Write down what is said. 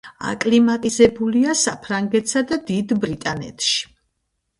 აკლიმატიზებულია საფრანგეთსა და დიდ ბრიტანეთში.